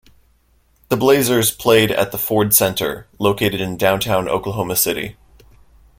The Blazers played at the Ford Center, located in downtown Oklahoma City.